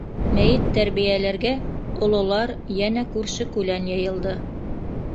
Мәйет тәрбиәләргә ололар, йәнә күрше-күлән йыйылды.